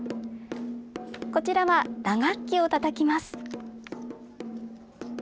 こちらは、打楽器をたたきます。